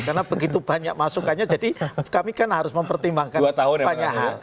karena begitu banyak masukannya jadi kami kan harus mempertimbangkan banyak hal